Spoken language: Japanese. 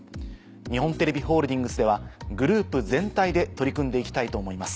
日本テレビホールディングスではグループ全体で取り組んで行きたいと思います。